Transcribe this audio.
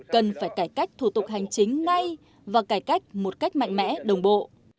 cần phải cải cách thủ tục hành chính ngay và cải cách một cách mạnh mẽ đồng bộ